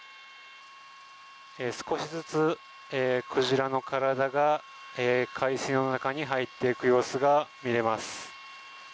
少しずつ、クジラの体が海水の中に入っていく様子が見れます。